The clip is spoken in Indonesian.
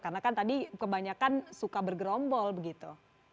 karena kan tadi kebanyakan suka bergrombol gitu